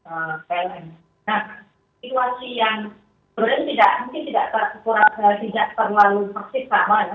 nah situasi yang sebenarnya tidak terlalu maksimal ya